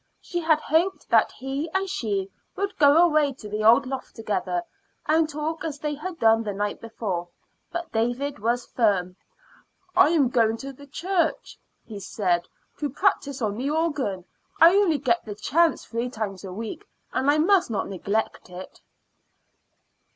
She had hoped that he and she would go away to the old loft together, and talk as they had done the night before. But David was firm. "I am going to the church," he said, "to practice on the organ. I only get the chance three times a week, and I must not neglect it."